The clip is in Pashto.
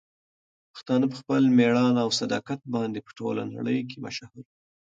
پښتانه په خپل مېړانه او صداقت باندې په ټوله نړۍ کې مشهور دي.